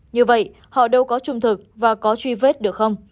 như vậy họ đâu có trung thực và có truy vết được không